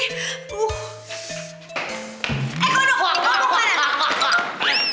eh kau nunggu lo mau kemana